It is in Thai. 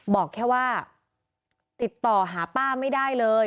บอกแค่ว่าติดต่อหาป้าไม่ได้เลย